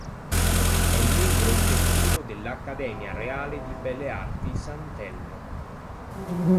È membro effettivo dell'Accademia reale di belle arti "San Telmo".